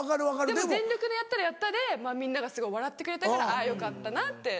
でも全力でやったらやったでみんなが笑ってくれたからあぁよかったなって。